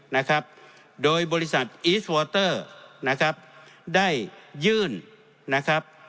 นะครับโดยบริษัทอีสวอเตอร์นะครับได้ยื่นนะครับ